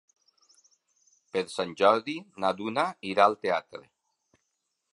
Per Sant Jordi na Duna irà al teatre.